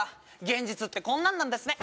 現実ってこんなんなんですね